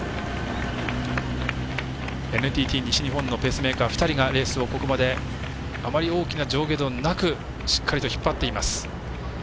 ＮＴＴ西日本のペースメーカー２人がレースをここまであまり大きな上下動なくしっかりと引っ張っています。